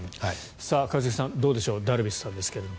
一茂さん、どうでしょうダルビッシュさんですが。